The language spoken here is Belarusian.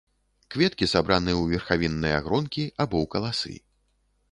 Кветкі сабраны ў верхавінныя гронкі або ў каласы.